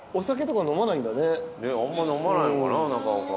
あんま飲まないのかな中岡は。